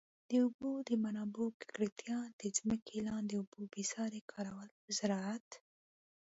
د اوبو د منابعو ککړتیا، د ځمکي لاندي اوبو بي ساري کارول په زراعت.